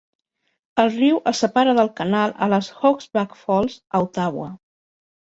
El riu es separa del canal a les Hog's Back Falls, a Ottawa.